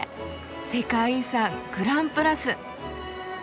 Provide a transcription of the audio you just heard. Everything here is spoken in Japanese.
世界遺産グランプラス。